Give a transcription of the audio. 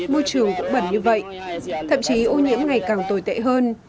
môi trường cũng bẩn như vậy thậm chí ô nhiễm ngày càng tồi tệ hơn